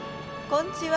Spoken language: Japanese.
こんにちは。